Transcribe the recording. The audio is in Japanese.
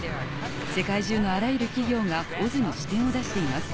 世界中のあらゆる企業がＯＺに支店を出しています。